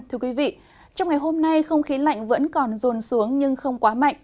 trong ngày hôm nay không khí lạnh vẫn còn rồn xuống nhưng không quá mạnh